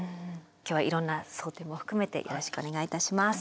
今日はいろんなその点も含めてよろしくお願いいたします。